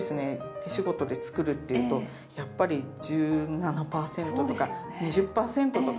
手仕事で作るっていうとやっぱり１７％とか２０％とか。